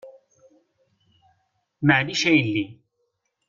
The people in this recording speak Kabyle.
Maɛlic a yelli.